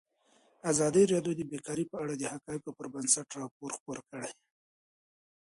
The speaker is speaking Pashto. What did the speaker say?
ازادي راډیو د بیکاري په اړه د حقایقو پر بنسټ راپور خپور کړی.